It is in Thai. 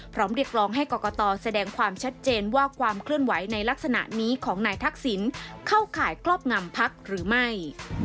เรียกร้องให้กรกตแสดงความชัดเจนว่าความเคลื่อนไหวในลักษณะนี้ของนายทักษิณเข้าข่ายครอบงำพักหรือไม่